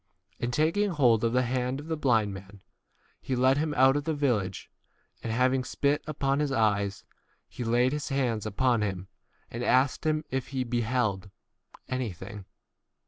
And taking hold of the hand of the blind man he led him out of the village, and having spit upon his eyes, he laid his hands upon him, and asked him if he beheld T 24 anything.